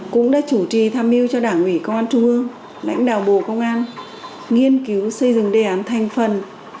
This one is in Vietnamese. cũng đã chủ trì tham mưu cho đảng ủy công an trung ương lãnh đạo bộ công an nghiên cứu xây dựng đề án thành phần